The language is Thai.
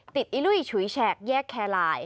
ติดอีลุยชุยแชกแยกแคลลาย